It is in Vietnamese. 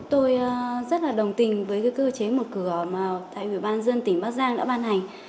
tôi rất đồng tình với cơ chế một cửa mà ủy ban nhân dân tỉnh bát giang đã ban hành